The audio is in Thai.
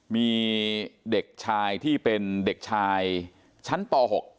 มีเด็กชายที่เป็นเด็กชายชั้นป๖